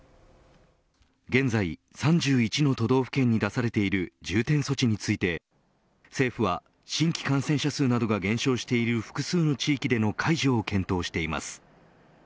現在３１の都道府県に出されている重点措置について政府は新規感染者数などが減少している複数の地域での解除を検討しています。